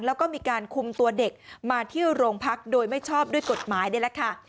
แล้วก็มีการคุมตัวเด็กมาที่โรงพักโดยไม่ชอบด้วยกฎหมายนี่แหละค่ะ